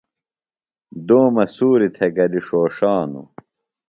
دومہ سُوریۡ تھےۡ گلیۡ ݜوݜانوۡ۔